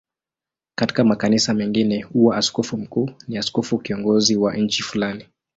Katika makanisa mengine huwa askofu mkuu ni askofu kiongozi wa nchi fulani.